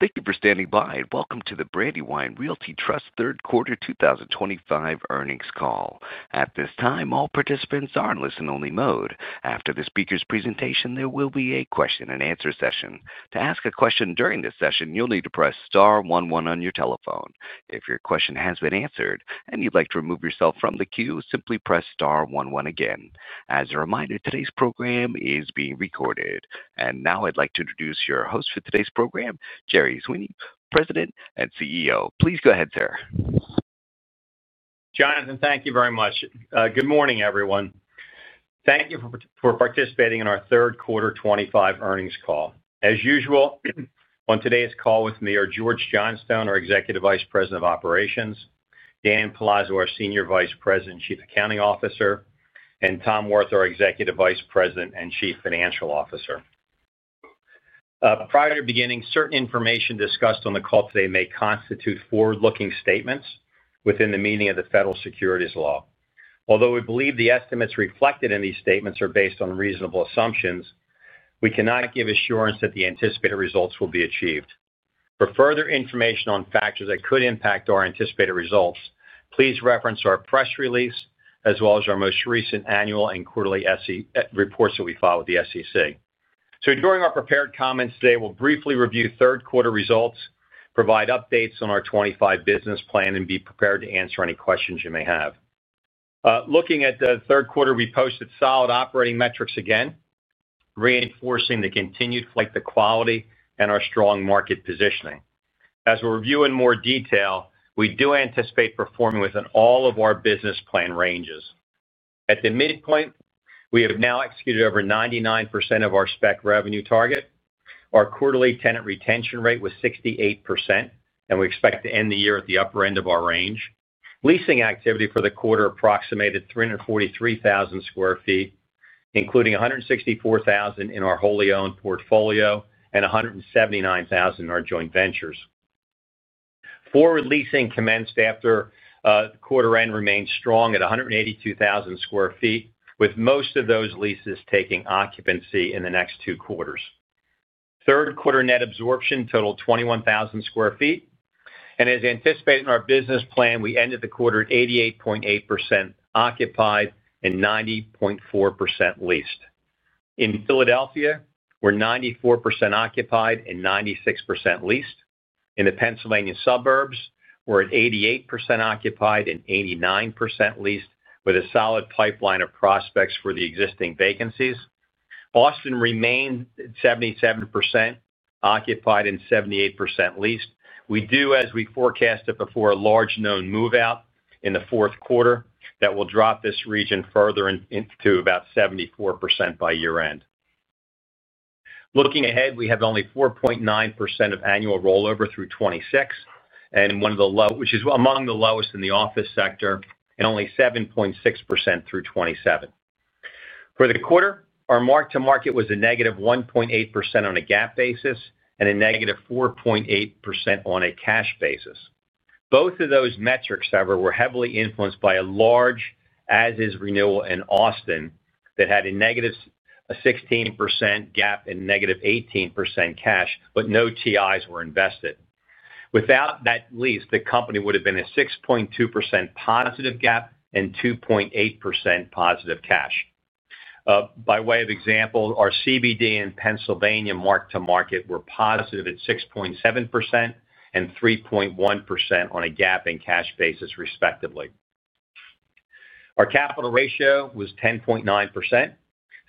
Thank you for standing by and welcome to the Brandywine Realty Trust third quarter 2025 earnings call. At this time, all participants are in listen-only mode. After the speaker's presentation, there will be a question and answer session. To ask a question during this session, you'll need to press star one-one on your telephone. If your question has been answered and you'd like to remove yourself from the queue, simply press star one-one again. As a reminder, today's program is being recorded. Now I'd like to introduce your host for today's program, Jerry Sweeney, President and CEO. Please go ahead, sir. Jonathan, thank you very much. Good morning, everyone. Thank you for participating in our third quarter 2025 earnings call. As usual, on today's call with me are George Johnstone, our Executive Vice President of Operations; Dan Palazzo, our Senior Vice President and Chief Accounting Officer; and Tom Wirth, our Executive Vice President and Chief Financial Officer. Prior to beginning, certain information discussed on the call today may constitute forward-looking statements within the meaning of the Federal Securities Law. Although we believe the estimates reflected in these statements are based on reasonable assumptions, we cannot give assurance that the anticipated results will be achieved. For further information on factors that could impact our anticipated results, please reference our press release as well as our most recent annual and quarterly reports that we file with the SEC. During our prepared comments today, we'll briefly review third quarter results, provide updates on our 2025 business plan, and be prepared to answer any questions you may have. Looking at the third quarter, we posted solid operating metrics again, reinforcing the continued flight to quality and our strong market positioning. As we'll review in more detail, we do anticipate performing within all of our business plan ranges. At the midpoint, we have now executed over 99% of our spec revenue target. Our quarterly tenant retention rate was 68%, and we expect to end the year at the upper end of our range. Leasing activity for the quarter approximated 343,000 sq ft, including 164,000 in our wholly owned portfolio and 179,000 in our joint ventures. Forward leasing commenced after the quarter end remains strong at 182,000 sq ft, with most of those leases taking occupancy in the next two quarters. Third quarter net absorption totaled 21,000 sq ft, and as anticipated in our business plan, we ended the quarter at 88.8% occupied and 90.4% leased. In Philadelphia, we're 94% occupied and 96% leased. In the Pennsylvania suburbs, we're at 88% occupied and 89% leased, with a solid pipeline of prospects for the existing vacancies. Boston remains at 77% occupied and 78% leased. We do, as we forecasted before, have a large known move-out in the fourth quarter that will drop this region further to about 74% by year-end. Looking ahead, we have only 4.9% of annual rollover through 2026, and one of the lowest, which is among the lowest in the office sector, and only 7.6% through 2027. For the quarter, our mark-to-market was a -1.8% on a GAAP basis and a -4.8% on a cash basis. Both of those metrics, however, were heavily influenced by a large as-is renewal in Austin that had a -16% GAAP and -18% cash, but no TIs were invested. Without that lease, the company would have been a 6.2% positive GAAP and 2.8% positive cash. By way of example, our CBD in Pennsylvania mark-to-market were positive at 6.7% and 3.1% on a GAAP and cash basis, respectively. Our capital ratio was 10.9%,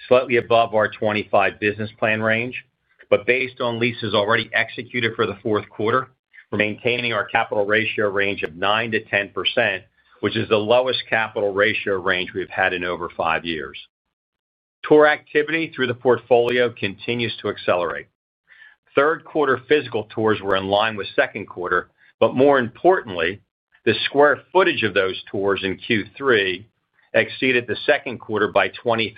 slightly above our 2025 business plan range, but based on leases already executed for the fourth quarter, we're maintaining our capital ratio range of 9%-10%, which is the lowest capital ratio range we've had in over five years. Tour activity through the portfolio continues to accelerate. Third quarter physical tours were in line with second quarter, but more importantly, the square footage of those tours in Q3 exceeded the second quarter by 23%.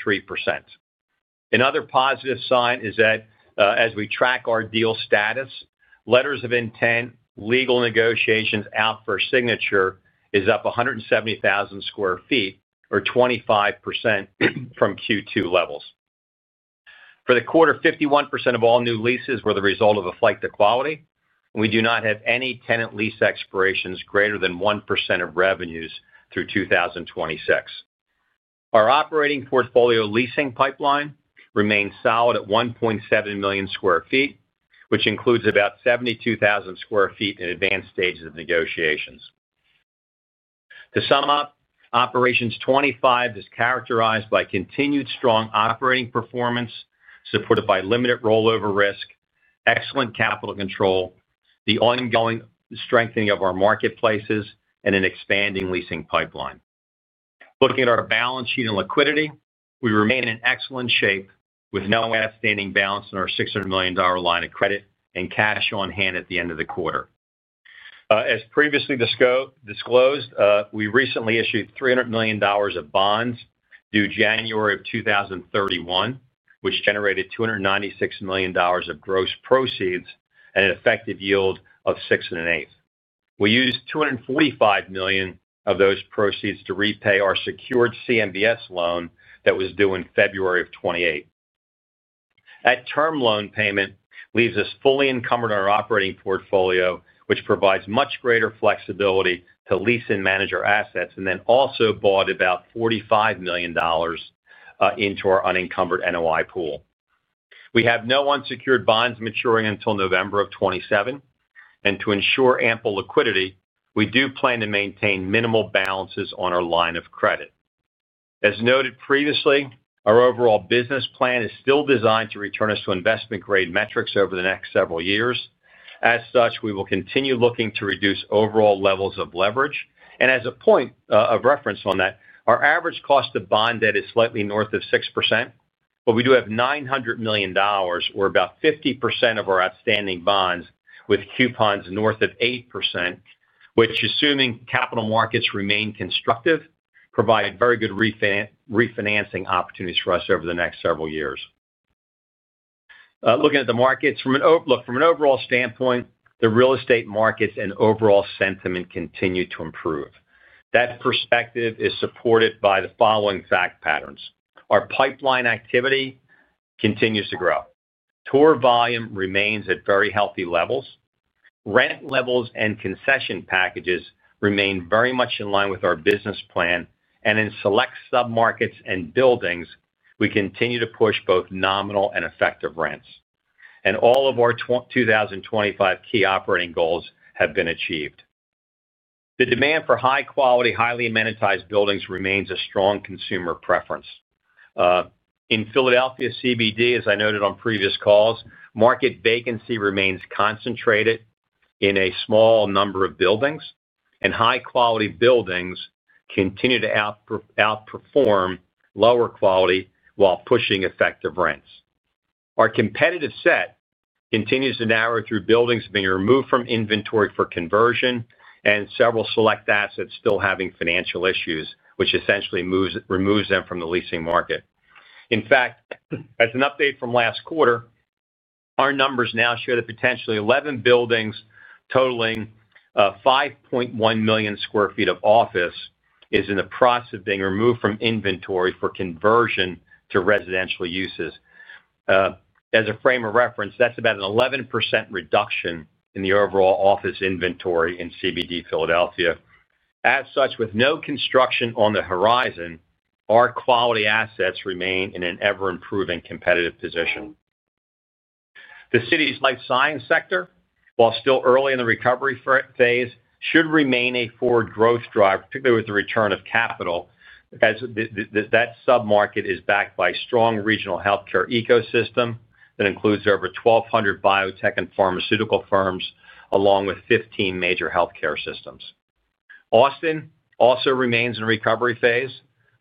Another positive sign is that as we track our deal status, letters of intent, legal negotiations, and out for signature is up 170,000 sq ft, or 25% from Q2 levels. For the quarter, 51% of all new leases were the result of a flight to quality. We do not have any tenant lease expirations greater than 1% of revenues through 2026. Our operating portfolio leasing pipeline remains solid at 1.7 million sq ft, which includes about 72,000 sq ft in advanced stages of negotiations. To sum up, Operations 2025 is characterized by continued strong operating performance supported by limited rollover risk, excellent capital control, the ongoing strengthening of our marketplaces, and an expanding leasing pipeline. Looking at our balance sheet and liquidity, we remain in excellent shape with no outstanding balance in our $600 million line of credit and cash on hand at the end of the quarter. As previously disclosed, we recently issued $300 million of bonds due January of 2031, which generated $296 million of gross proceeds and an effective yield of 6.125%. We used $245 million of those proceeds to repay our secured CMBS loan that was due in February of 2028. That term loan payment leaves us fully encumbered on our operating portfolio, which provides much greater flexibility to lease and manage our assets, and then also brought about $45 million into our unencumbered NOI pool. We have no unsecured bonds maturing until November of 2027, and to ensure ample liquidity, we do plan to maintain minimal balances on our line of credit. As noted previously, our overall business plan is still designed to return us to investment-grade metrics over the next several years. As such, we will continue looking to reduce overall levels of leverage. As a point of reference on that, our average cost of bond debt is slightly north of 6%, but we do have $900 million, or about 50% of our outstanding bonds with coupons north of 8%, which, assuming capital markets remain constructive, provide very good refinancing opportunities for us over the next several years. Looking at the markets from an overall standpoint, the real estate markets and overall sentiment continue to improve. That perspective is supported by the following fact patterns: our pipeline activity continues to grow, tour volume remains at very healthy levels, rent levels and concession packages remain very much in line with our business plan, and in select submarkets and buildings, we continue to push both nominal and effective rents. All of our 2025 key operating goals have been achieved. The demand for high-quality, highly amenitized buildings remains a strong consumer preference. In Philadelphia CBD, as I noted on previous calls, market vacancy remains concentrated in a small number of buildings, and high-quality buildings continue to outperform lower quality while pushing effective rents. Our competitive set continues to narrow through buildings being removed from inventory for conversion and several select assets still having financial issues, which essentially removes them from the leasing market. In fact, as an update from last quarter, our numbers now show that potentially 11 buildings totaling 5.1 million sq ft of office are in the process of being removed from inventory for conversion to residential uses. As a frame of reference, that's about an 11% reduction in the overall office inventory in CBD Philadelphia. With no construction on the horizon, our quality assets remain in an ever-improving competitive position. The city's life science sector, while still early in the recovery phase, should remain a forward growth drive, particularly with the return of capital, as that submarket is backed by a strong regional healthcare ecosystem that includes over 1,200 biotech and pharmaceutical firms, along with 15 major healthcare systems. Austin also remains in the recovery phase.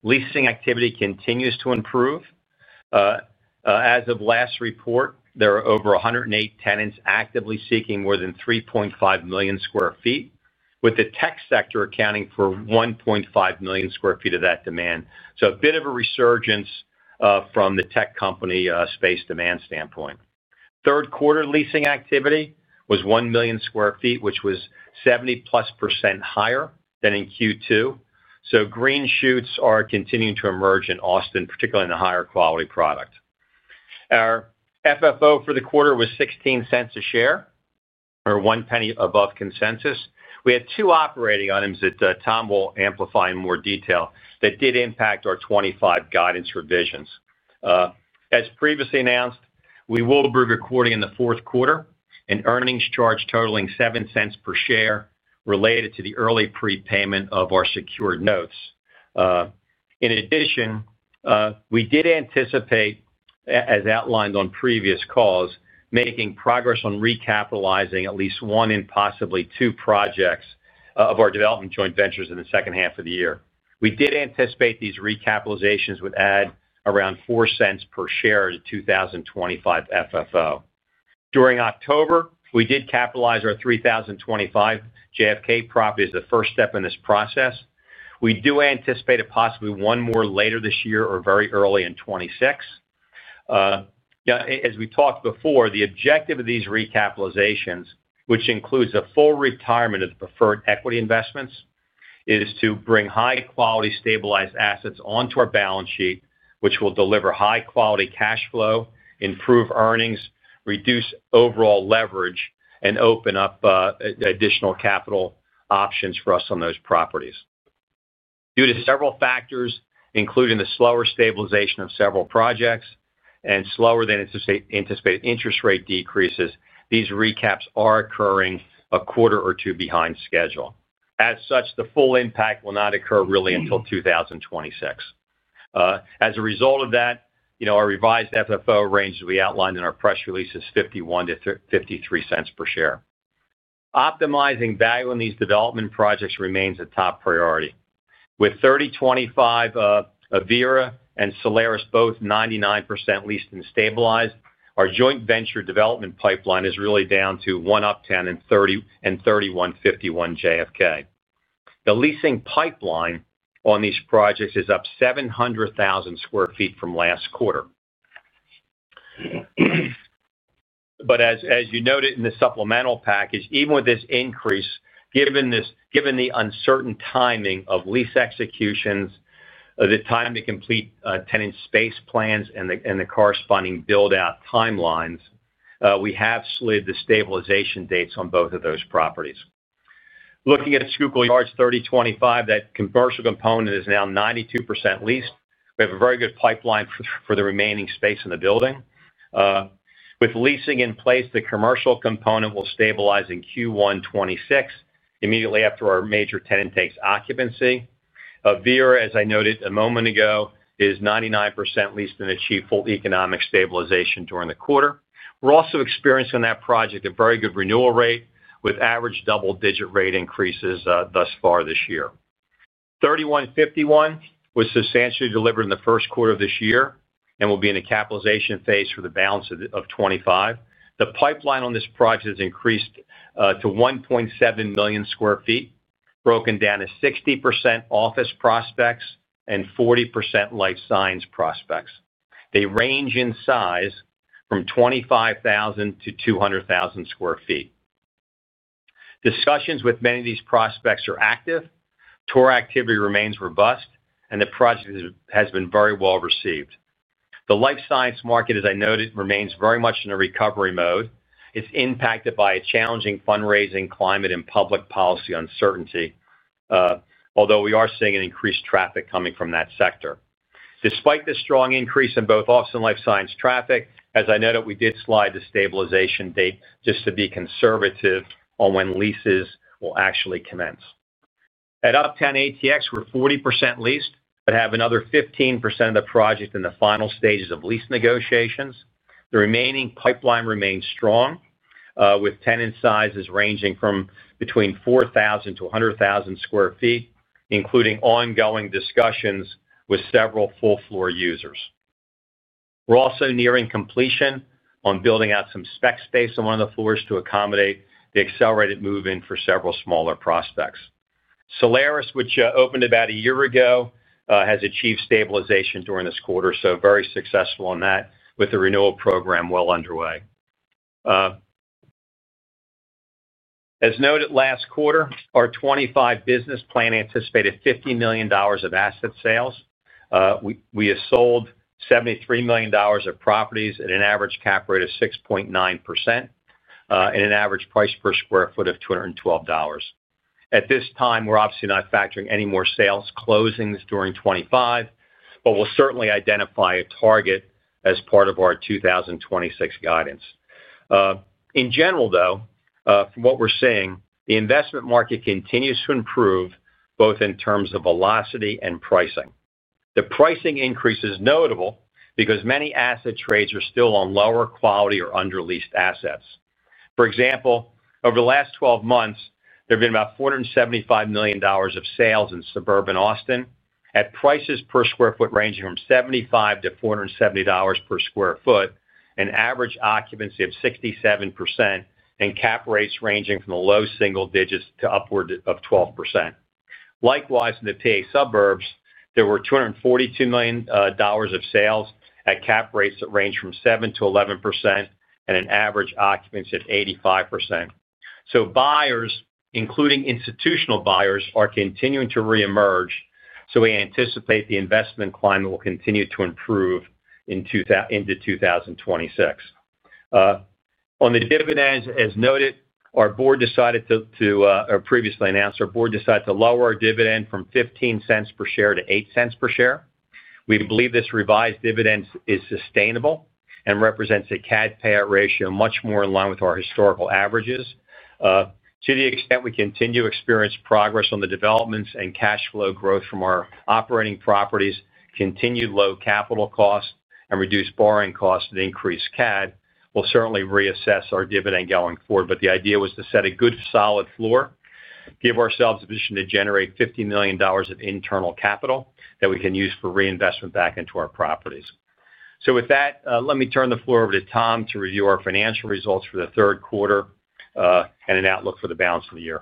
Leasing activity continues to improve. As of last report, there are over 108 tenants actively seeking more than 3.5 million sq ft, with the tech sector accounting for 1.5 million sq ft of that demand. A bit of a resurgence from the tech company space demand standpoint. Third quarter leasing activity was 1 million sq ft, which was 70% higher than in Q2. Green shoots are continuing to emerge in Austin, particularly in the higher quality product. Our FFO for the quarter was $0.16 a share, or one penny above consensus. We had two operating items that Tom will amplify in more detail that did impact our 2025 guidance revisions. As previously announced, we will be recording in the fourth quarter an earnings charge totaling $0.07 per share related to the early prepayment of our secured notes. In addition, we did anticipate, as outlined on previous calls, making progress on recapitalizing at least one and possibly two projects of our development joint ventures in the second half of the year. We did anticipate these recapitalizations would add around $0.04 per share to the 2025 FFO. During October, we did capitalize our 3025 JFK properties as the first step in this process. We do anticipate possibly one more later this year or very early in 2026. As we talked before, the objective of these recapitalizations, which includes a full retirement of the preferred equity investments, is to bring high-quality, stabilized assets onto our balance sheet, which will deliver high-quality cash flow, improve earnings, reduce overall leverage, and open up additional capital options for us on those properties. Due to several factors, including the slower stabilization of several projects and slower than anticipated interest rate decreases, these recaps are occurring a quarter or two behind schedule. As such, the full impact will not occur really until 2026. As a result of that, our revised FFO range, as we outlined in our press release, is $0.51-$0.53 per share. Optimizing value in these development projects remains a top priority. With 3025 Avira, and Solaris both 99% leased and stabilized, our joint venture development pipeline is really down to 1UPTOWN and 3151 JFK. The leasing pipeline on these projects is up 700,000 sq ft from last quarter. As you noted in the supplemental package, even with this increase, given the uncertain timing of lease executions, the time to complete tenant space plans, and the corresponding build-out timelines, we have slid the stabilization dates on both of those properties. Looking at Schuylkill Yards 3025, that commercial component is now 92% leased. We have a very good pipeline for the remaining space in the building. With leasing in place, the commercial component will stabilize in Q1 2026, immediately after our major tenant takes occupancy. Avira, as I noted a moment ago, is 99% leased and achieved full economic stabilization during the quarter. We're also experiencing on that project a very good renewal rate with average double-digit rate increases thus far this year. 3151 was substantially delivered in the first quarter of this year and will be in the capitalization phase for the balance of 2025. The pipeline on this project has increased to 1.7 million sq ft, broken down to 60% office prospects and 40% life science prospects. They range in size from 25,000 sq ft-200,000 sq ft. Discussions with many of these prospects are active. Tour activity remains robust, and the project has been very well received. The life science market, as I noted, remains very much in a recovery mode. It is impacted by a challenging fundraising climate and public policy uncertainty, although we are seeing increased traffic coming from that sector. Despite the strong increase in both office and life science traffic, as I noted, we did slide the stabilization date just to be conservative on when leases will actually commence. At 1UPTOWN ATX, we're 40% leased but have another 15% of the project in the final stages of lease negotiations. The remaining pipeline remains strong, with tenant sizes ranging from between 4,000 sq ft-100,000 sq ft, including ongoing discussions with several full-floor users. We're also nearing completion on building out some spec space on one of the floors to accommodate the accelerated move-in for several smaller prospects. Solaris, which opened about a year ago, has achieved stabilization during this quarter, so very successful on that, with the renewal program well underway. As noted last quarter, our 2025 business plan anticipated $50 million of asset sales. We have sold $73 million of properties at an average cap rate of 6.9% and an average price per square foot of $212. At this time, we're obviously not factoring any more sales closings during 2025, but we'll certainly identify a target as part of our 2026 guidance. In general, though, from what we're seeing, the investment market continues to improve both in terms of velocity and pricing. The pricing increase is notable because many asset trades are still on lower quality or underleased assets. For example, over the last 12 months, there have been about $475 million of sales in suburban Austin at prices per square foot ranging from $75-$470 per square foot, an average occupancy of 67%, and cap rates ranging from the low single digits to upward of 12%. Likewise, in the Pe suburbs, there were $242 million of sales at cap rates that range from 7%-11% and an average occupancy of 85%. Buyers, including institutional buyers, are continuing to reemerge, so we anticipate the investment climate will continue to improve into 2026. On the dividends, as noted, our board decided to, or previously announced, our board decided to lower our dividend from $0.15 per share to $0.08 per share. We believe this revised dividend is sustainable and represents a CAD payout ratio much more in line with our historical averages. To the extent we continue to experience progress on the developments and cash flow growth from our operating properties, continued low capital costs, and reduced borrowing costs to increase CAD, we'll certainly reassess our dividend going forward. The idea was to set a good solid floor, give ourselves a position to generate $50 million of internal capital that we can use for reinvestment back into our properties. With that, let me turn the floor over to Tom to review our financial results for the third quarter and an outlook for the balance of the year.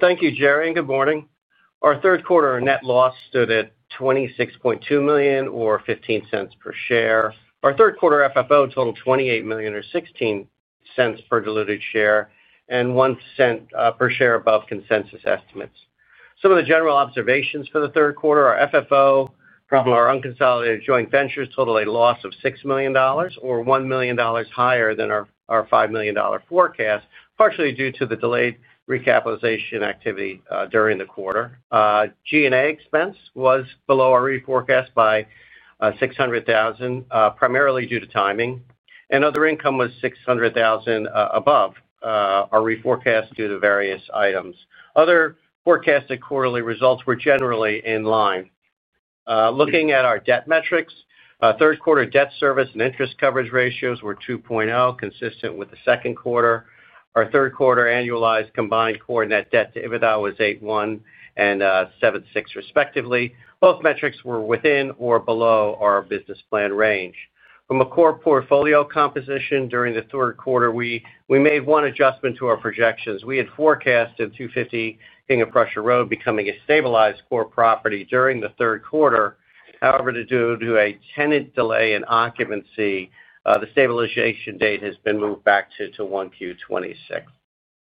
Thank you, Jerry, and good morning. Our third quarter net loss stood at $26.2 million or $0.15 per share. Our third quarter FFO totaled $28 million or $0.16 per diluted share and $0.01 per share above consensus estimates. Some of the general observations for the third quarter are FFO from our unconsolidated joint ventures totaled a loss of $6 million or $1 million higher than our $5 million forecast, partially due to the delayed recapitalization activity during the quarter. G&A expense was below our reforecast by $600,000, primarily due to timing, and other income was $600,000 above our reforecast due to various items. Other forecasted quarterly results were generally in line. Looking at our debt metrics, third quarter debt service and interest coverage ratios were 2.0, consistent with the second quarter. Our third quarter annualized combined core net debt to EBITDA was 8.1 and 7.6, respectively. Both metrics were within or below our business plan range. From a core portfolio composition during the third quarter, we made one adjustment to our projections. We had forecasted 250 King of Prussia Road becoming a stabilized core property during the third quarter. However, due to a tenant delay in occupancy, the stabilization date has been moved back to Q2 2026.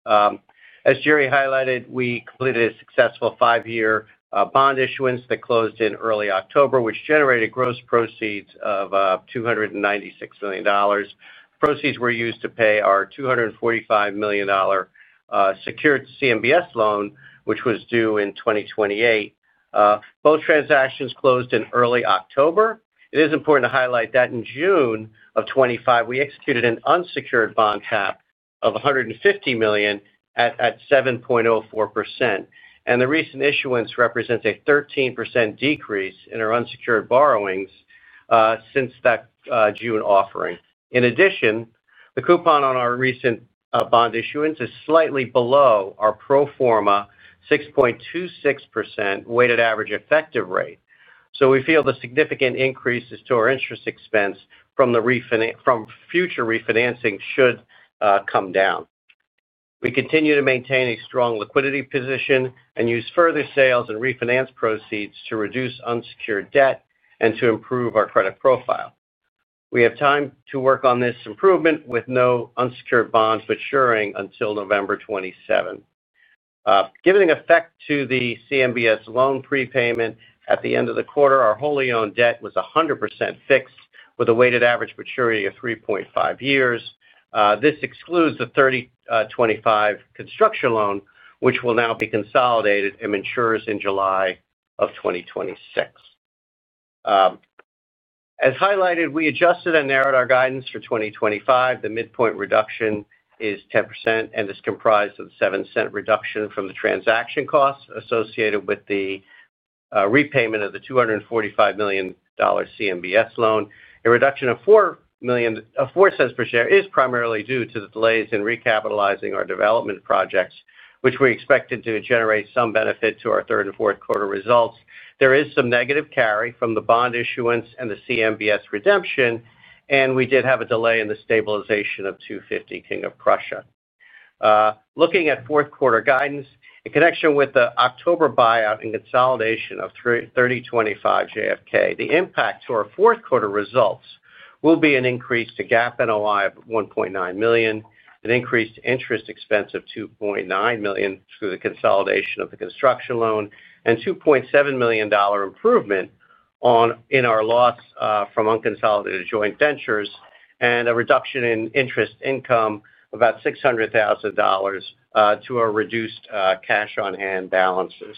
As Jerry highlighted, we completed a successful five-year bond issuance that closed in early October, which generated gross proceeds of $296 million. Proceeds were used to pay our $245 million secured CMBS loan, which was due in 2028. Both transactions closed in early October. It is important to highlight that in June 2025, we executed an unsecured bond cap of $150 million at 7.04%, and the recent issuance represents a 13% decrease in our unsecured borrowings since that June offering. In addition, the coupon on our recent bond issuance is slightly below our pro forma 6.26% weighted average effective rate. We feel the significant increases to our interest expense from future refinancing should come down. We continue to maintain a strong liquidity position and use further sales and refinance proceeds to reduce unsecured debt and to improve our credit profile. We have time to work on this improvement with no unsecured bonds maturing until November 2027. Giving effect to the CMBS loan prepayment at the end of the quarter, our wholly owned debt was 100% fixed with a weighted average maturity of 3.5 years. This excludes the 3025 construction loan, which will now be consolidated and matures in July of 2026. As highlighted, we adjusted and narrowed our guidance for 2025. The midpoint reduction is 10% and is comprised of a $0.07 reduction from the transaction costs associated with the repayment of the $245 million CMBS loan. A reduction of $0.04 per share is primarily due to the delays in recapitalizing our development projects, which we expected to generate some benefit to our third and fourth quarter results. There is some negative carry from the bond issuance and the CMBS redemption, and we did have a delay in the stabilization of 250 King of Prussia. Looking at fourth quarter guidance in connection with the October buyout and consolidation of 3025 JFK, the impact to our fourth quarter results will be an increase to GAAP NOI of $1.9 million, an increased interest expense of $2.9 million through the consolidation of the construction loan, and a $2.7 million improvement in our loss from unconsolidated joint ventures, and a reduction in interest income of about $600,000 due to our reduced cash on hand balances.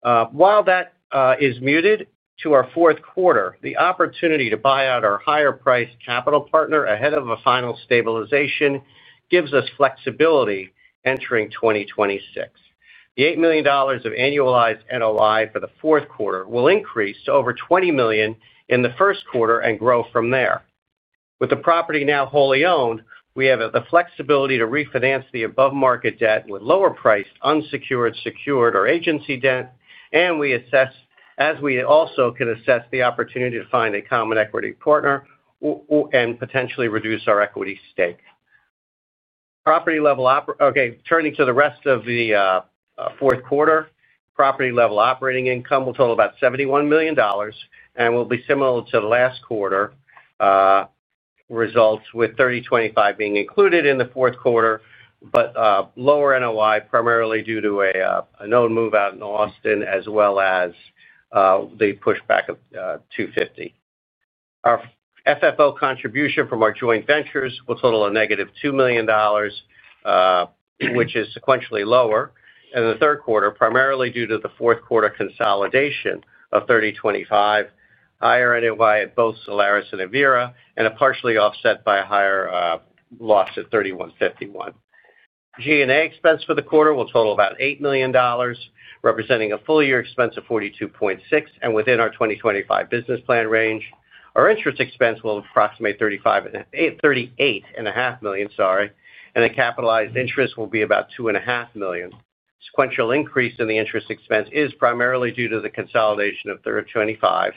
While that is muted to our fourth quarter, the opportunity to buy out our higher-priced capital partner ahead of a final stabilization gives us flexibility entering 2026. The $8 million of annualized NOI for the fourth quarter will increase to over $20 million in the first quarter and grow from there. With the property now wholly owned, we have the flexibility to refinance the above-market debt with lower-priced unsecured, secured, or agency debt, and we also can assess the opportunity to find a common equity partner and potentially reduce our equity stake. Turning to the rest of the fourth quarter, property level operating income will total about $71 million and will be similar to the last quarter results with 3025 being included in the fourth quarter, but lower NOI primarily due to a known move-out in Austin as well as the pushback of 250. Our FFO contribution from our joint ventures will total a -$2 million, which is sequentially lower than the third quarter, primarily due to the fourth quarter consolidation of 3025, higher NOI at both Solaris and Avira, and partially offset by a higher loss at 3151. G&A expense for the quarter will total about $8 million, representing a full-year expense of $42.6 million, and within our 2025 business plan range. Our interest expense will approximate $38.5 million, and the capitalized interest will be about $2.5 million. Sequential increase in the interest expense is primarily due to the consolidation of 3025,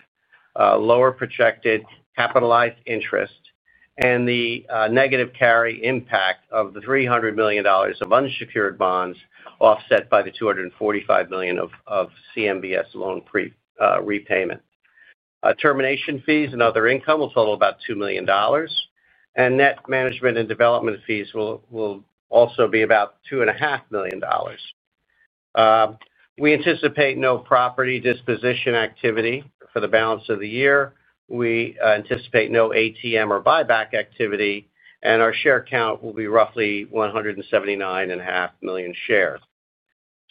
lower projected capitalized interest, and the negative carry impact of the $300 million of unsecured bonds offset by the $245 million of CMBS loan prepayment. Termination fees and other income will total about $2 million, and net management and development fees will also be about $2.5 million. We anticipate no property disposition activity for the balance of the year. We anticipate no ATM or buyback activity, and our share count will be roughly 179.5 million shares.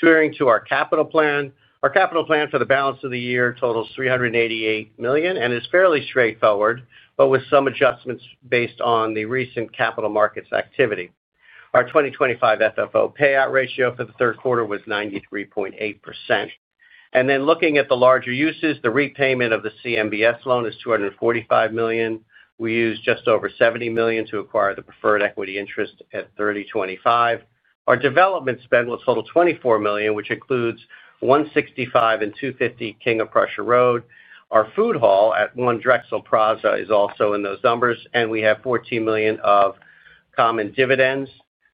Turning to our capital plan, our capital plan for the balance of the year totals $388 million and is fairly straightforward, but with some adjustments based on the recent capital markets activity. Our 2025 FFO payout ratio for the third quarter was 93.8%. Looking at the larger uses, the repayment of the CMBS loan is $245 million. We used just over $70 million to acquire the preferred equity interest at 3025. Our development spend will total $24 million, which includes 165 and 250 King of Prussia Road. Our food hall at One Drexel Plaza is also in those numbers, and we have $14 million of common dividends,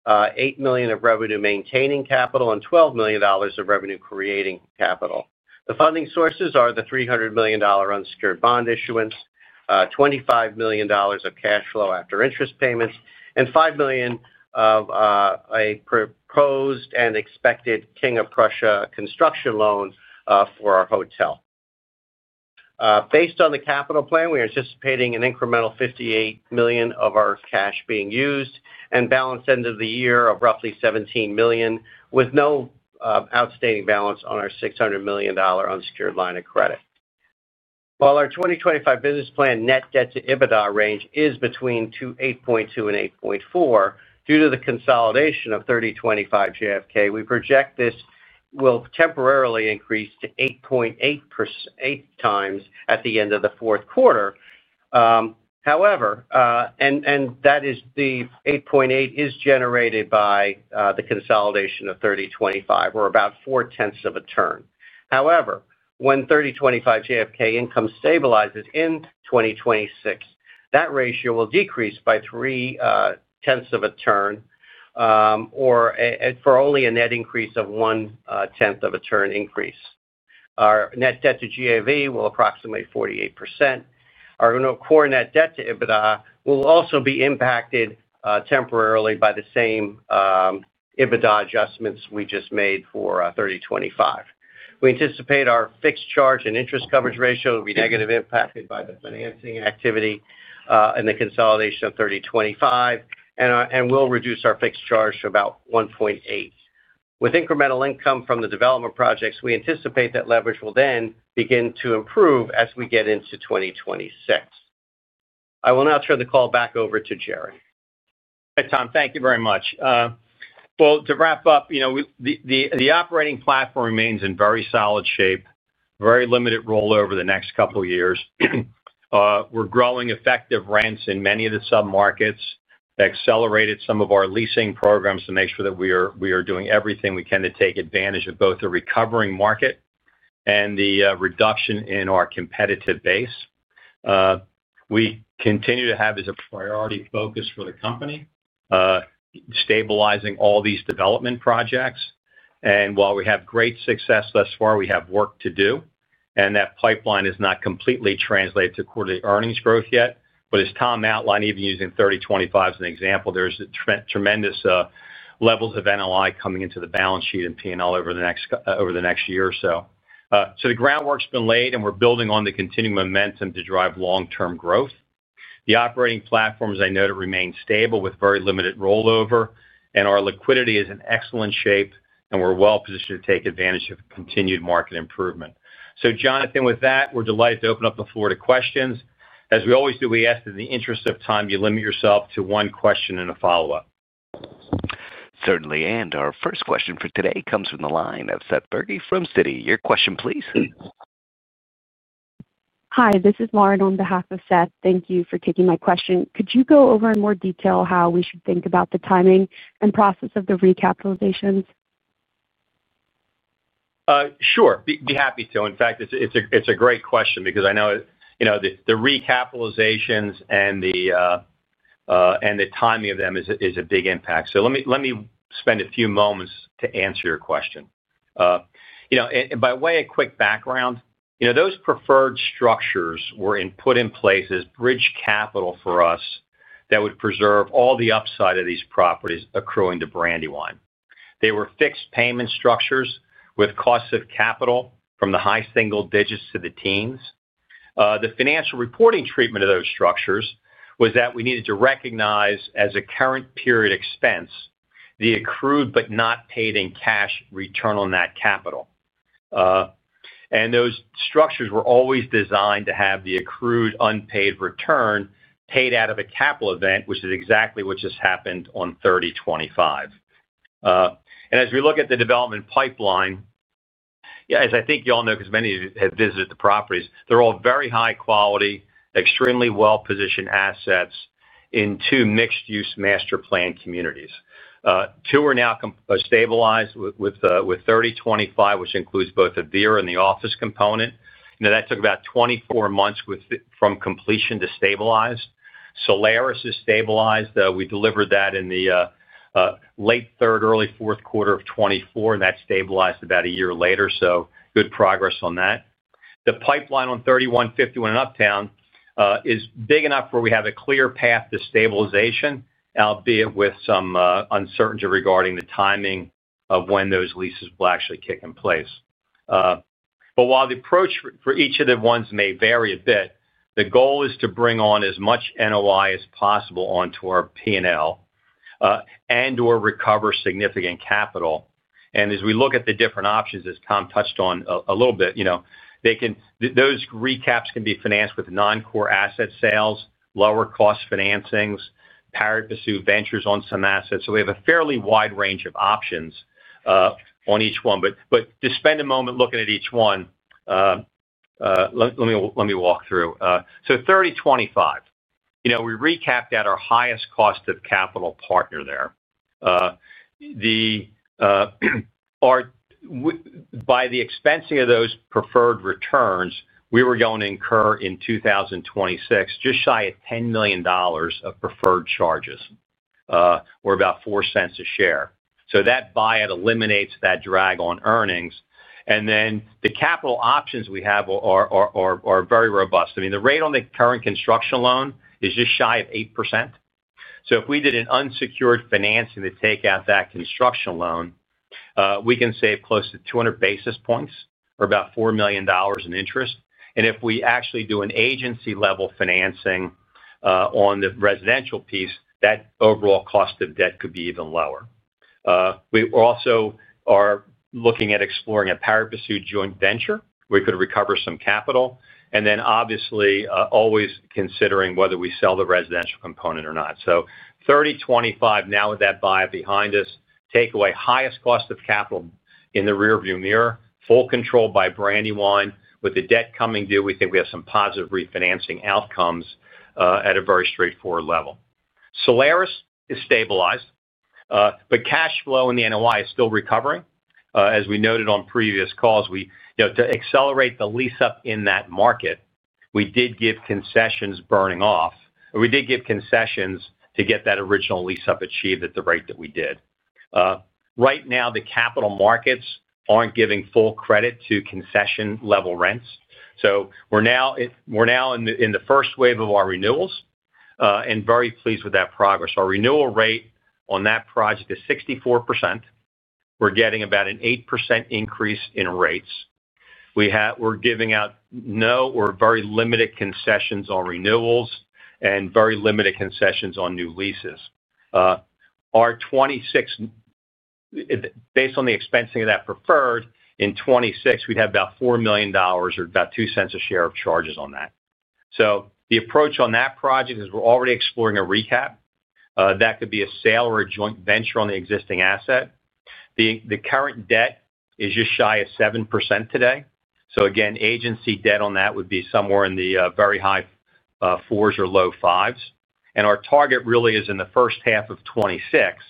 $8 million of revenue maintaining capital, and $12 million of revenue creating capital. The funding sources are the $300 million unsecured bond issuance, $25 million of cash flow after interest payments, and $5 million of a proposed and expected King of Prussia construction loan for our hotel. Based on the capital plan, we are anticipating an incremental $58 million of our cash being used and balance end of the year of roughly $17 million, with no outstanding balance on our $600 million unsecured line of credit. While our 2025 business plan net debt to EBITDA range is between 8.2 and 8.4, due to the consolidation of 3025 JFK, we project this will temporarily increase to 8.8x at the end of the fourth quarter. That 8.8 is generated by the consolidation of 3025, about 0.4 of a turn. When 3025 JFK income stabilizes in 2026, that ratio will decrease by 0.3 of a turn for only a net increase of 0.1 of a turn. Our net debt to GAV will approximate 48%. Our core net debt to EBITDA will also be impacted temporarily by the same EBITDA adjustments we just made for 3025. We anticipate our fixed charge and interest coverage ratio will be negatively impacted by the financing activity and the consolidation of 3025, and we'll reduce our fixed charge to about 1.8. With incremental income from the development projects, we anticipate that leverage will then begin to improve as we get into 2026. I will now turn the call back over to Jerry. Hey, Tom, thank you very much. To wrap up, you know the operating platform remains in very solid shape, very limited rollover the next couple of years. We're growing effective rents in many of the submarkets. We accelerated some of our leasing programs to make sure that we are doing everything we can to take advantage of both the recovering market and the reduction in our competitive base. We continue to have a priority focus for the company, stabilizing all these development projects. While we have great success thus far, we have work to do, and that pipeline is not completely translated to quarterly earnings growth yet. As Tom outlined, even using 3025 as an example, there's tremendous levels of NOI coming into the balance sheet and P&L over the next year or so. The groundwork's been laid, and we're building on the continued momentum to drive long-term growth. The operating platform, as I noted, remains stable with very limited rollover, and our liquidity is in excellent shape, and we're well positioned to take advantage of continued market improvement. Jonathan, with that, we're delighted to open up the floor to questions. As we always do, we ask that in the interest of time, you limit yourself to one question and a follow-up. Certainly, our first question for today comes from the line of Seth Bergey from Citi. Your question, please. Hi, this is Lauren on behalf of Seth. Thank you for taking my question. Could you go over in more detail how we should think about the timing and process of the recapitalizations? Sure, be happy to. In fact, it's a great question because I know that the recapitalizations and the timing of them is a big impact. Let me spend a few moments to answer your question. By way of quick background, those preferred structures were put in place as bridge capital for us that would preserve all the upside of these properties accruing to Brandywine. They were fixed payment structures with costs of capital from the high single digits to the teens. The financial reporting treatment of those structures was that we needed to recognize as a current period expense the accrued but not paid in cash return on that capital. Those structures were always designed to have the accrued unpaid return paid out of a capital event, which is exactly what just happened on 3025. As we look at the development pipeline, as I think you all know, because many of you have visited the properties, they're all very high quality, extremely well-positioned assets in two mixed-use master plan communities. Two are now stabilized with 3025, which includes both Avira and the office component. That took about 24 months from completion to stabilize. Solaris is stabilized. We delivered that in the late third, early fourth quarter of 2024, and that stabilized about a year later. Good progress on that. The pipeline on 3151 and Uptown is big enough where we have a clear path to stabilization, albeit with some uncertainty regarding the timing of when those leases will actually kick in place. While the approach for each of the ones may vary a bit, the goal is to bring on as much NOI as possible onto our P&L and/or recover significant capital. As we look at the different options, as Tom touched on a little bit, those recaps can be financed with non-core asset sales, lower cost financings, parity, pursue ventures on some assets. We have a fairly wide range of options on each one. To spend a moment looking at each one, let me walk through. 3025, we recapped at our highest cost of capital partner there. By the expensing of those preferred returns, we were going to incur in 2026 just shy of $10 million of preferred charges or about $0.04 a share. That buyout eliminates that drag on earnings. The capital options we have are very robust. The rate on the current construction loan is just shy of 8%. If we did an unsecured financing to take out that construction loan, we can save close to 200 basis points or about $4 million in interest. If we actually do an agency-level financing on the residential piece, that overall cost of debt could be even lower. We also are looking at exploring a parity, pursue joint venture. We could recover some capital, and then obviously always considering whether we sell the residential component or not. 3025 now with that buyout behind us, take away highest cost of capital in the rearview mirror, full control by Brandywine. With the debt coming due, we think we have some positive refinancing outcomes at a very straightforward level. Solaris is stabilized, but cash flow in the NOI is still recovering. As we noted on previous calls, to accelerate the lease up in that market, we did give concessions burning off. We did give concessions to get that original lease up achieved at the rate that we did. Right now, the capital markets aren't giving full credit to concession-level rents. We are now in the first wave of our renewals and very pleased with that progress. Our renewal rate on that project is 64%. We're getting about an 8% increase in rates. We're giving out no or very limited concessions on renewals and very limited concessions on new leases. Based on the expensing of that preferred, in 2026, we'd have about $4 million or about $0.02 a share of charges on that. The approach on that project is we're already exploring a recap. That could be a sale or a joint venture on the existing asset. The current debt is just shy of 7% today. Agency debt on that would be somewhere in the very high fours or low fives. Our target really is in the first half of 2026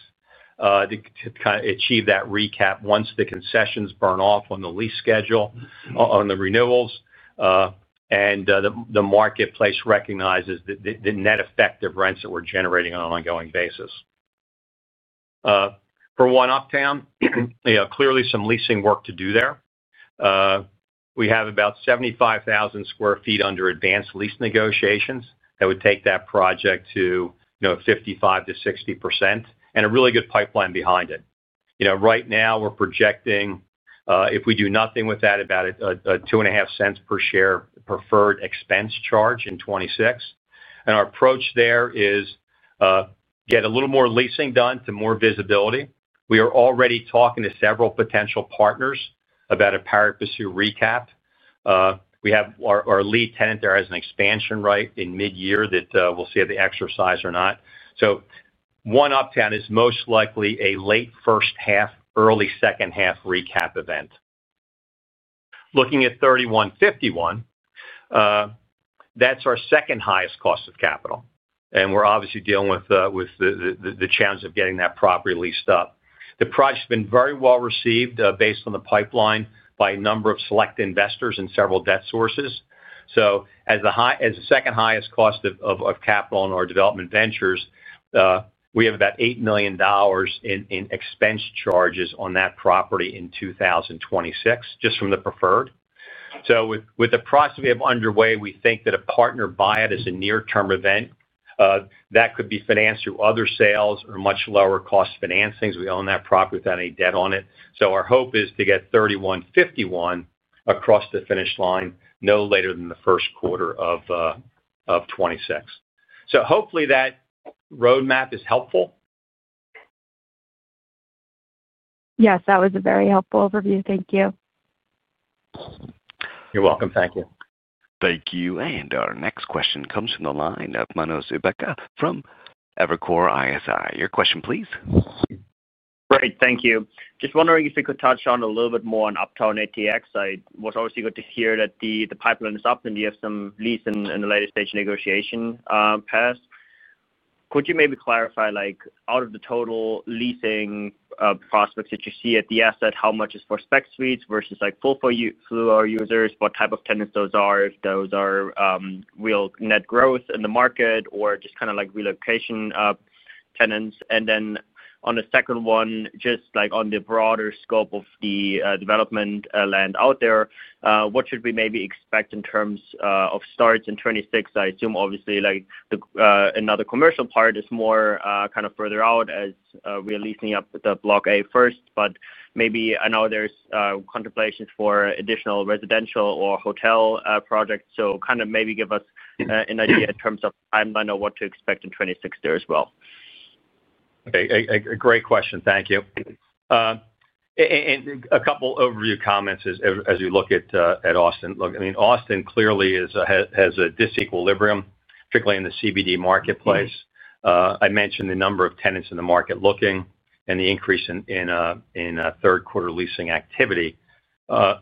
to kind of achieve that recap once the concessions burn off on the lease schedule, on the renewals, and the marketplace recognizes the net effect of rents that we're generating on an ongoing basis. For 1UPTOWN, clearly some leasing work to do there. We have about 75,000 sq ft under advanced lease negotiations that would take that project to 55%-60% and a really good pipeline behind it. Right now we're projecting, if we do nothing with that, about a $0.025 per share preferred expense charge in 2026. Our approach there is to get a little more leasing done to more visibility. We are already talking to several potential partners about a parity, pursue recap. We have our lead tenant there as an expansion right in mid-year that we'll see if they exercise or not. 1UPTOWN is most likely a late first half, early second half recap event. Looking at 3151, that's our second highest cost of capital, and we're obviously dealing with the challenge of getting that property leased up. The project's been very well received based on the pipeline by a number of select investors and several debt sources. As the second highest cost of capital on our development ventures, we have about $8 million in expense charges on that property in 2026, just from the preferred. With the process we have underway, we think that a partner buyout is a near-term event. That could be financed through other sales or much lower cost financings. We own that property without any debt on it. Our hope is to get 3151 across the finish line no later than the first quarter of 2026. Hopefully that roadmap is helpful. Yes, that was a very helpful overview. Thank you. You're welcome. Thank you. Thank you. Our next question comes from the line of Manus Ebbecke from Evercore ISI. Your question, please. Great, thank you. Just wondering if you could touch on a little bit more on Uptown ATX. It was obviously good to hear that the pipeline is up and you have some lease in the latest stage negotiation passed. Could you maybe clarify, out of the total leasing prospects that you see at the asset, how much is for spec suites versus full-floor users? What type of tenants those are, if those are real net growth in the market or just kind of relocation tenants? On the second one, just on the broader scope of the development land out there, what should we maybe expect in terms of starts in 2026? I assume obviously another commercial part is more kind of further out as we are leasing up the block A first, but maybe I know there's contemplations for additional residential or hotel projects. Could you give us an idea in terms of timeline or what to expect in 2026 there as well. Okay, great question. Thank you. A couple overview comments as you look at Austin. Look, I mean, Austin clearly has a disequilibrium, particularly in the CBD marketplace. I mentioned the number of tenants in the market looking and the increase in third quarter leasing activity. About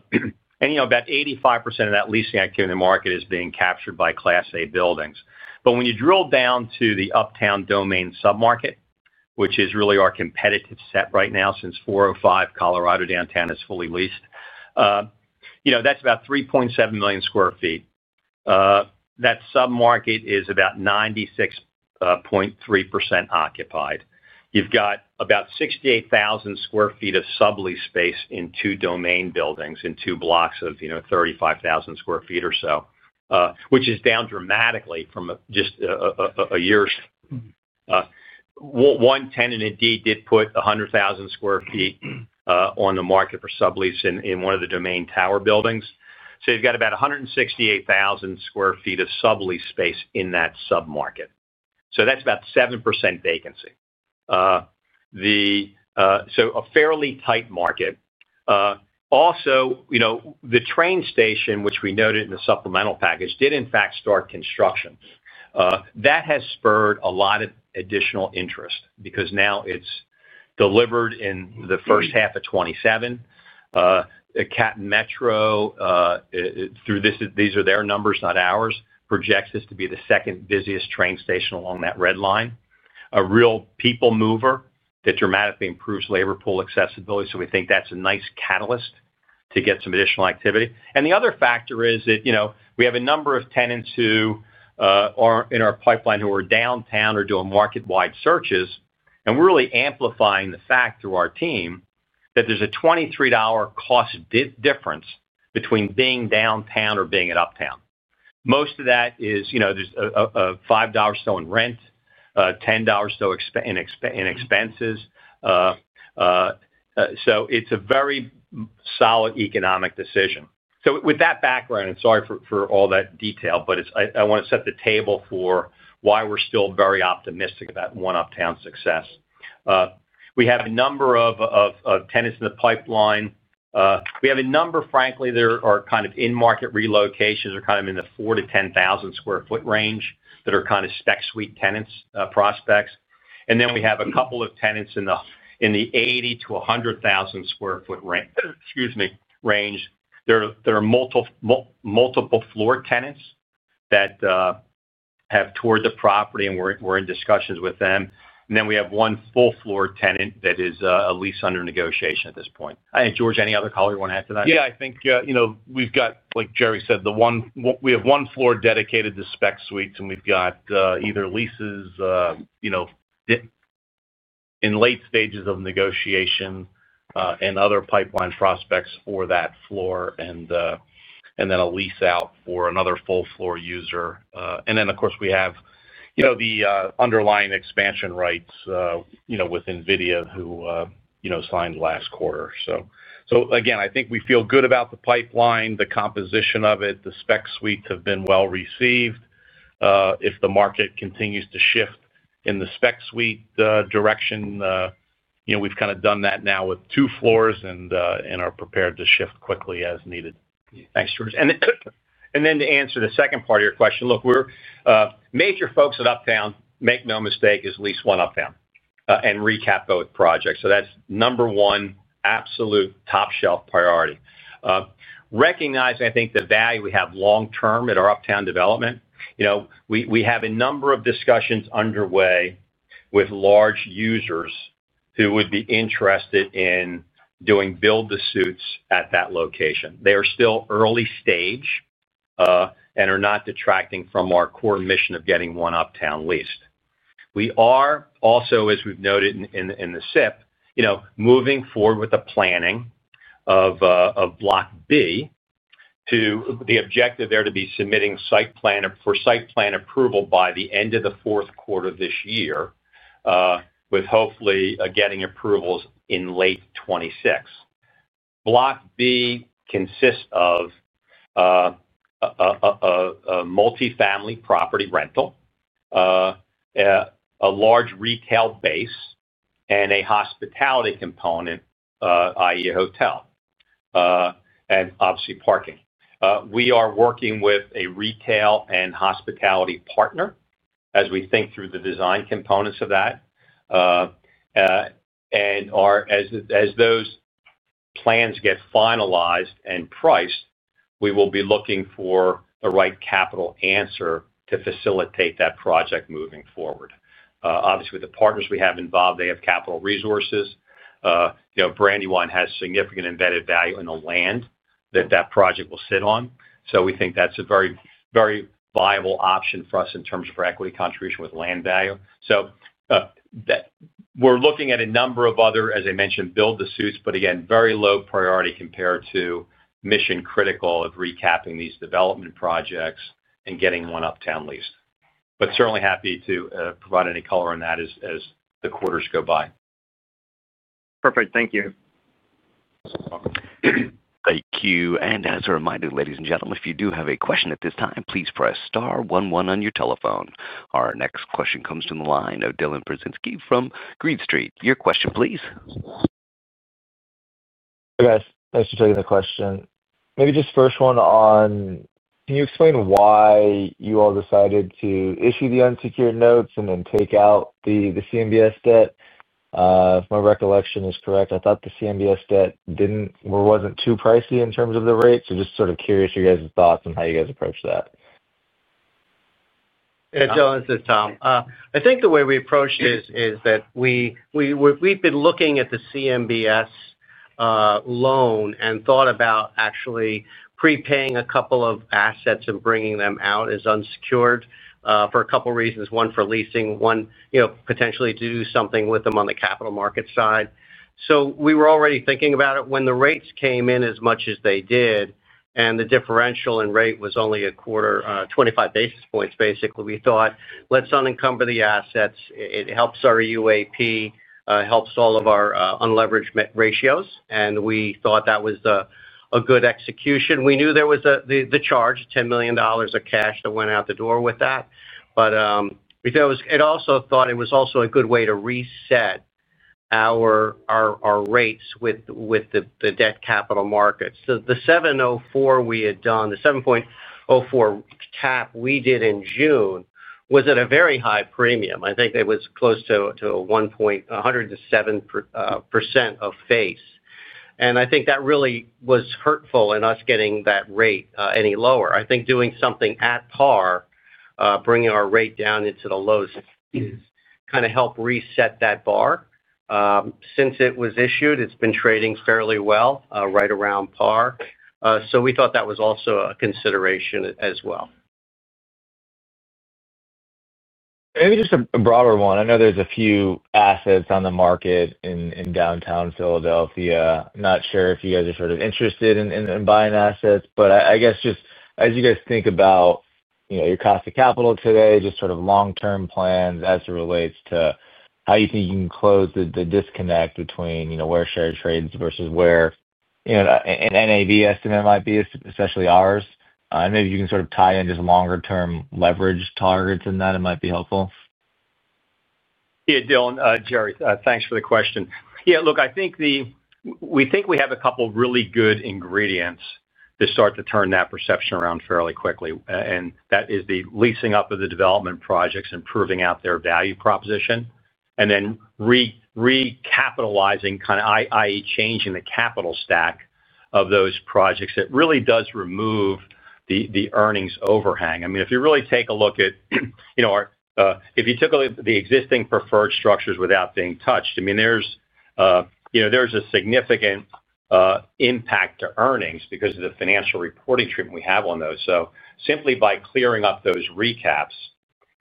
85% of that leasing activity in the market is being captured by Class A buildings. When you drill down to the Uptown Domain submarket, which is really our competitive set right now since 405 Colorado downtown is fully leased, that's about 3.7 million sq ft. That submarket is about 96.3% occupied. You've got about 68,000 sq ft of sublease space in two domain buildings in two blocks of 35,000 sq ft or so, which is down dramatically from just a year or so. One tenant indeed did put 100,000 sq ft on the market for sublease in one of the domain tower buildings. You've got about 168,000 sq ft of sublease space in that submarket. That's about 7% vacancy, so a fairly tight market. Also, the train station, which we noted in the supplemental package, did in fact start construction. That has spurred a lot of additional interest because now it's delivered in the first half of 2027. A CAT Metro, through this, these are their numbers, not ours, projects this to be the second busiest train station along that red line. A real people mover that dramatically improves labor pool accessibility. We think that's a nice catalyst to get some additional activity. The other factor is that we have a number of tenants who are in our pipeline who are downtown or doing market-wide searches, and we're really amplifying the fact through our team that there's a $23 cost difference between being downtown or being at Uptown. Most of that is, you know, there's a $5 or so in rent, $10 or so in expenses. It's a very solid economic decision. With that background, and sorry for all that detail, but I want to set the table for why we're still very optimistic about 1UPTOWN's success. We have a number of tenants in the pipeline. We have a number, frankly, that are kind of in-market relocations or kind of in the 4,000 sq ft-10,000 sq ft range that are kind of spec suite tenants, prospects. We have a couple of tenants in the 80,000 sq ft-100,000 sq ft range. There are multiple floor tenants that have toured the property, and we're in discussions with them. We have one full-floor tenant that is at least under negotiation at this point. I think, George, any other color you want to add to that? Yeah, I think we've got, like Jerry said, the one, we have one floor dedicated to spec suites, and we've got either leases in late stages of negotiation and other pipeline prospects for that floor, and then a lease out for another full-floor user. Of course, we have the underlying expansion rights with NVIDIA, who signed last quarter. I think we feel good about the pipeline, the composition of it. The spec suites have been well received. If the market continues to shift in the spec suite direction, we've kind of done that now with two floors and are prepared to shift quickly as needed. Thanks, George. To answer the second part of your question, look, we're major folks at Uptown, make no mistake, is lease 1UPTOWN and recap both projects. That's number one absolute top shelf priority. Recognizing, I think, the value we have long-term in our Uptown development. We have a number of discussions underway with large users who would be interested in doing build the suites at that location. They are still early stage and are not detracting from our core mission of getting 1UPTOWN leased. We are also, as we've noted in the SIP, moving forward with the planning of block B with the objective there to be submitting site plan for site plan approval by the end of the fourth quarter of this year, with hopefully getting approvals in late 2026. Block B consists of a multifamily property rental, a large retail base, and a hospitality component, i.e. a hotel, and obviously parking. We are working with a retail and hospitality partner as we think through the design components of that. As those plans get finalized and priced, we will be looking for the right capital answer to facilitate that project moving forward. Obviously, with the partners we have involved, they have capital resources. Brandywine has significant embedded value in the land that that project will sit on. We think that's a very, very viable option for us in terms of our equity contribution with land value. We're looking at a number of other, as I mentioned, build the suites, but again, very low priority compared to mission critical of recapping these development projects and getting 1UPTOWN leased. Certainly happy to provide any color on that as the quarters go by. Perfect. Thank you. Thank you. As a reminder, ladies and gentlemen, if you do have a question at this time, please press star one one on your telephone. Our next question comes from the line of Dylan Burzinski from Green Street. Your question, please. Hey, guys, thanks for taking the question. Maybe just first one on, can you explain why you all decided to issue the unsecured notes and then take out the CMBS debt? If my recollection is correct, I thought the CMBS debt didn't or wasn't too pricey in terms of the rates. Just sort of curious your guys' thoughts on how you guys approach that. Yeah, Dylan, this is Tom. I think the way we approached it is that we've been looking at the CMBS loan and thought about actually prepaying a couple of assets and bringing them out as unsecured for a couple of reasons. One for leasing, one, you know, potentially to do something with them on the capital market side. We were already thinking about it. When the rates came in as much as they did and the differential in rate was only a quarter, 25 basis points, basically, we thought, let's unencumber the assets. It helps our UAP, helps all of our unleveraged ratios, and we thought that was a good execution. We knew there was the charge, $10 million of cash that went out the door with that. We thought it was also a good way to reset our rates with the debt capital markets. The 7.04 we had done, the 7.04 tap we did in June was at a very high premium. I think it was close to a 1.07% of face. I think that really was hurtful in us getting that rate any lower. I think doing something at par, bringing our rate down into the lows, kind of helped reset that bar. Since it was issued, it's been trading fairly well, right around par. We thought that was also a consideration as well. Maybe just a broader one. I know there's a few assets on the market in downtown Philadelphia. I'm not sure if you guys are interested in buying assets, but I guess just as you guys think about your cost of capital today, just long-term plans as it relates to how you think you can close the disconnect between where share trades versus where an NAV estimate might be, especially ours. Maybe you can tie in just longer-term leverage targets in that. It might be helpful. Yeah, Dylan, Jerry, thanks for the question. I think we have a couple of really good ingredients to start to turn that perception around fairly quickly. That is the leasing up of the development projects and proving out their value proposition, and then recapitalizing, i.e., changing the capital stack of those projects. It really does remove the earnings overhang. If you really take a look at, you know, if you took the existing preferred structures without being touched, there's a significant impact to earnings because of the financial reporting treatment we have on those. Simply by clearing up those recaps,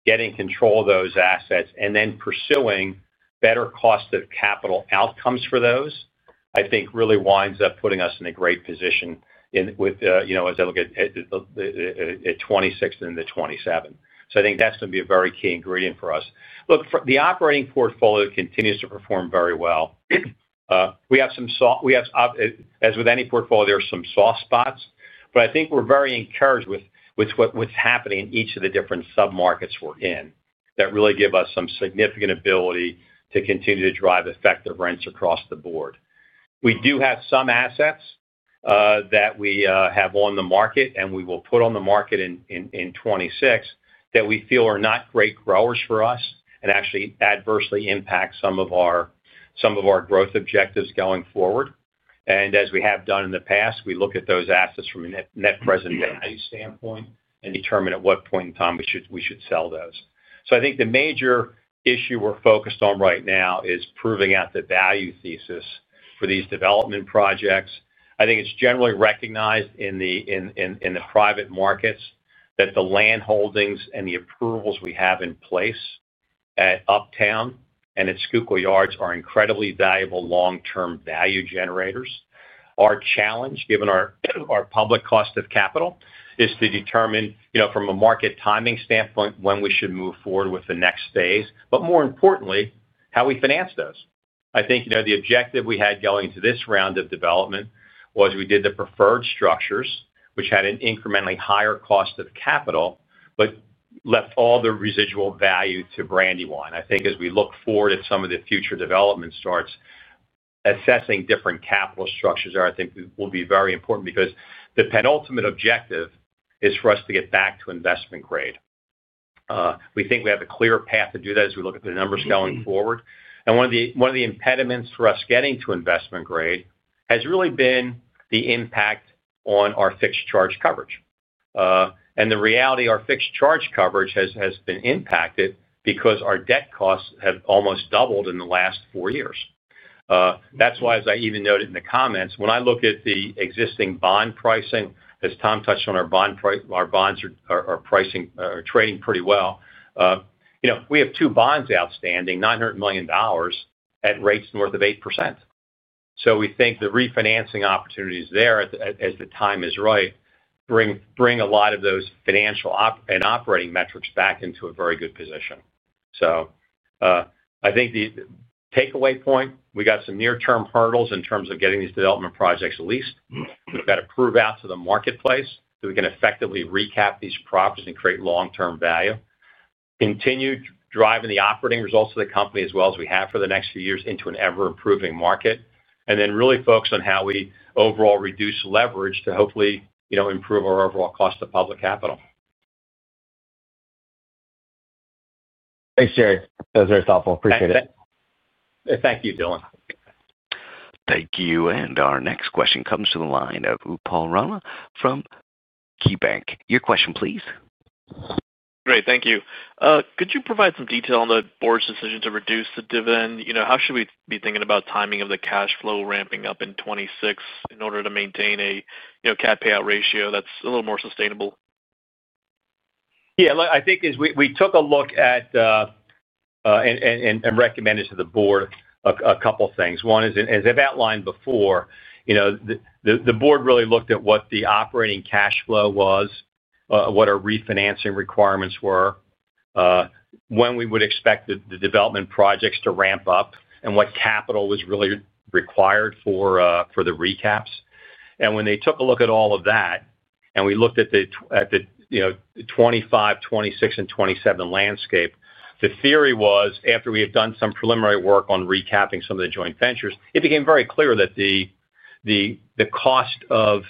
getting control of those assets, and then pursuing better cost of capital outcomes for those, I think really winds up putting us in a great position as I look at 2026 and 2027. I think that's going to be a very key ingredient for us. The operating portfolio continues to perform very well. As with any portfolio, there are some soft spots, but I think we're very encouraged with what's happening in each of the different submarkets we're in that really give us some significant ability to continue to drive effective rents across the board. We do have some assets that we have on the market and we will put on the market in 2026 that we feel are not great growers for us and actually adversely impact some of our growth objectives going forward. As we have done in the past, we look at those assets from a net present value standpoint and determine at what point in time we should sell those. I think the major issue we're focused on right now is proving out the value thesis for these development projects. I think it's generally recognized in the private markets that the land holdings and the approvals we have in place at Uptown and at Schuylkill Yards are incredibly valuable long-term value generators. Our challenge, given our public cost of capital, is to determine from a market timing standpoint when we should move forward with the next phase, but more importantly, how we finance those. I think the objective we had going into this round of development was we did the preferred structures, which had an incrementally higher cost of capital, but left all the residual value to Brandywine. I think as we look forward at some of the future development starts, assessing different capital structures there will be very important because the penultimate objective is for us to get back to investment grade. We think we have a clear path to do that as we look at the numbers going forward. One of the impediments for us getting to investment grade has really been the impact on our fixed charge coverage. The reality, our fixed charge coverage has been impacted because our debt costs have almost doubled in the last four years. That's why, as I even noted in the comments, when I look at the existing bond pricing, as Tom touched on, our bonds are trading pretty well. We have two bonds outstanding, $900 million, at rates north of 8%. We think the refinancing opportunities there, as the time is right, bring a lot of those financial and operating metrics back into a very good position. I think the takeaway point, we got some near-term hurdles in terms of getting these development projects leased. We've got to prove out to the marketplace that we can effectively recap these properties and create long-term value. Continue driving the operating results of the company as well as we have for the next few years into an ever-improving market. Then really focus on how we overall reduce leverage to hopefully, you know, improve our overall cost of public capital. Thanks, Jerry. That was very thoughtful. Appreciate it. Thank you, Dylan. Thank you. Our next question comes to the line of Upal Rana from KeyBanc. Your question, please. Great, thank you. Could you provide some detail on the board's decision to reduce the dividend? How should we be thinking about timing of the cash flow ramping up in 2026 in order to maintain a CAD payout ratio that's a little more sustainable? Yeah, look, I think as we took a look at and recommended to the board a couple of things. One is, as I've outlined before, the board really looked at what the operating cash flow was, what our refinancing requirements were, when we would expect the development projects to ramp up, and what capital was really required for the recaps. When they took a look at all of that and we looked at the 2025, 2026, and 2027 landscape, the theory was, after we had done some preliminary work on recapping some of the joint ventures, it became very clear that the cost of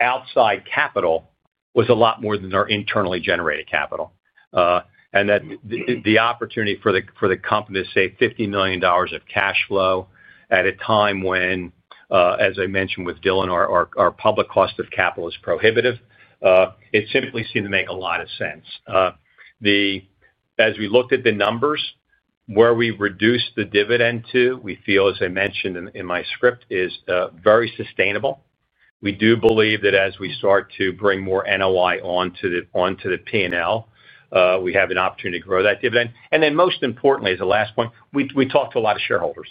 outside capital was a lot more than our internally generated capital. The opportunity for the company to save $50 million of cash flow at a time when, as I mentioned with Dylan, our public cost of capital is prohibitive, simply seemed to make a lot of sense. As we looked at the numbers, where we reduced the dividend to, we feel, as I mentioned in my script, is very sustainable. We do believe that as we start to bring more NOI onto the P&L, we have an opportunity to grow that dividend. Most importantly, as a last point, we talked to a lot of shareholders.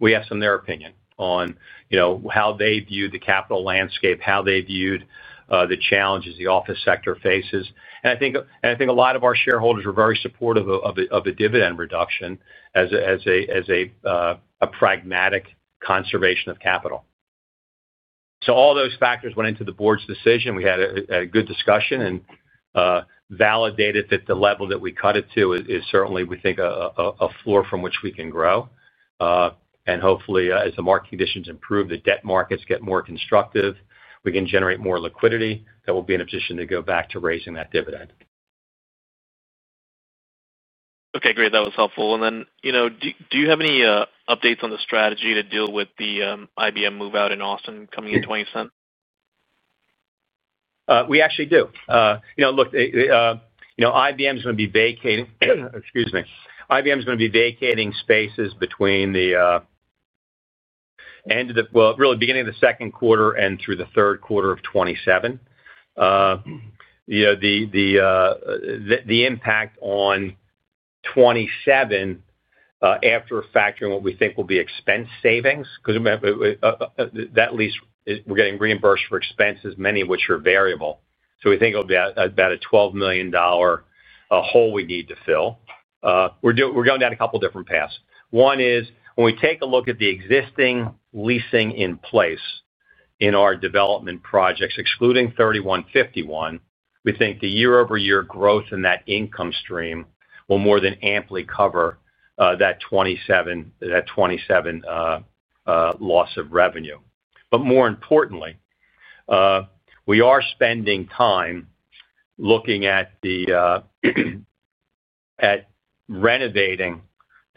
We have some of their opinion on how they viewed the capital landscape, how they viewed the challenges the office sector faces. I think a lot of our shareholders were very supportive of a dividend reduction as a pragmatic conservation of capital. All those factors went into the board's decision. We had a good discussion and validated that the level that we cut it to is certainly, we think, a floor from which we can grow. Hopefully, as the market conditions improve, the debt markets get more constructive, we can generate more liquidity that we'll be in a position to go back to raising that dividend. Okay, great. That was helpful. Do you have any updates on the strategy to deal with the IBM move-out in Austin coming in 2027? We actually do. Look, IBM's going to be vacating, excuse me, IBM's going to be vacating spaces between the end of the, really beginning of the second quarter and through the third quarter of 2027. The impact on 2027 after factoring what we think will be expense savings, because that lease, we're getting reimbursed for expenses, many of which are variable. We think it'll be about a $12 million hole we need to fill. We're going down a couple of different paths. One is when we take a look at the existing leasing in place in our development projects, excluding 3151, we think the year-over-year growth in that income stream will more than amply cover that 2027 loss of revenue. More importantly, we are spending time looking at renovating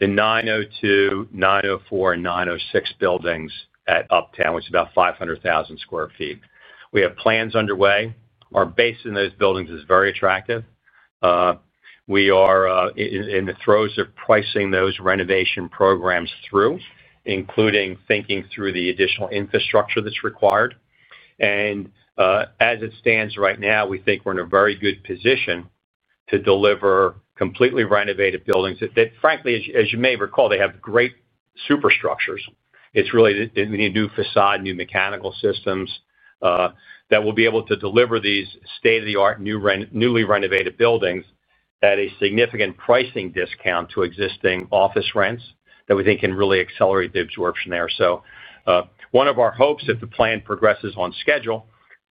the 902, 904, and 906 buildings at Uptown, which is about 500,000 sq ft. We have plans underway. Our base in those buildings is very attractive. We are in the throes of pricing those renovation programs through, including thinking through the additional infrastructure that's required. As it stands right now, we think we're in a very good position to deliver completely renovated buildings that, frankly, as you may recall, they have great superstructures. It's really that we need new facade, new mechanical systems that will be able to deliver these state-of-the-art newly renovated buildings at a significant pricing discount to existing office rents that we think can really accelerate the absorption there. One of our hopes, if the plan progresses on schedule,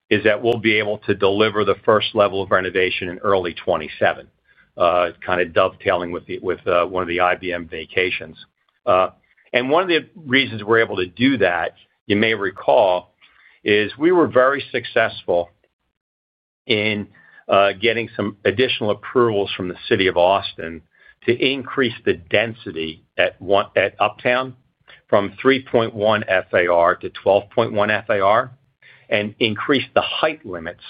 is that we'll be able to deliver the first level of renovation in early 2027, kind of dovetailing with one of the IBM vacations. One of the reasons we're able to do that, you may recall, is we were very successful in getting some additional approvals from the City of Austin to increase the density at Uptown from 3.1 FAR to 12.1 FAR and increase the height limits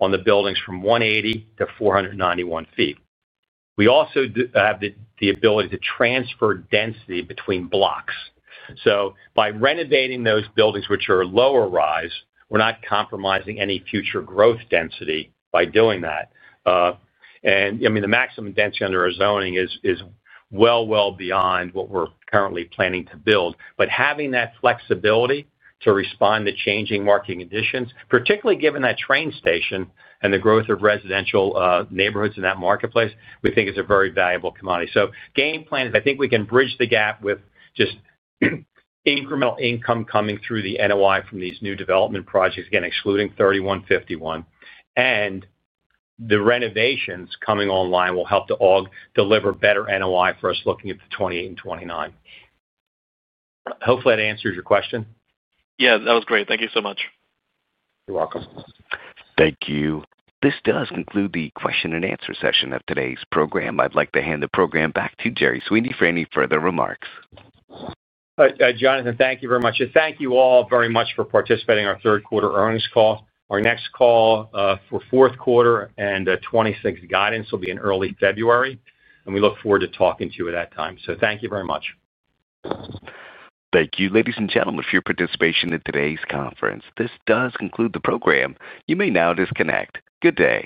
on the buildings from 180 ft-491 ft. We also have the ability to transfer density between blocks. By renovating those buildings, which are lower rise, we're not compromising any future growth density by doing that. The maximum density under our zoning is well, well beyond what we're currently planning to build. Having that flexibility to respond to changing market conditions, particularly given that train station and the growth of residential neighborhoods in that marketplace, we think is a very valuable commodity. The game plan is I think we can bridge the gap with just incremental income coming through the NOI from these new development projects, again, excluding 3151. The renovations coming online will help to deliver better NOI for us looking at 2028 and 2029. Hopefully, that answers your question. Yeah, that was great. Thank you so much. You're welcome. Thank you. This does conclude the question and answer session of today's program. I'd like to hand the program back to Jerry Sweeney for any further remarks. All right, Jonathan, thank you very much. Thank you all very much for participating in our third quarter earnings call. Our next call for fourth quarter and 2026 guidance will be in early February. We look forward to talking to you at that time. Thank you very much. Thank you, ladies and gentlemen, for your participation in today's conference. This does conclude the program. You may now disconnect. Good day.